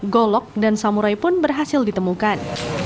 golok dan samurai pun berhasil ditemukan